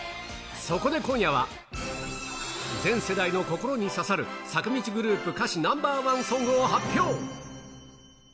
そこで今夜は、全世代の心に刺さる坂道グループ歌詞ナンバー１ソングを発表。